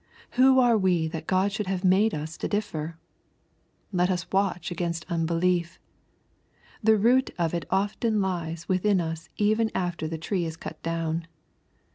Who are we that God should have made us to differ ? Let us watch against unbelief. The root of it often lies within us even after the tree is cut down.